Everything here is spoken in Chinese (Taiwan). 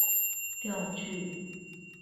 釣具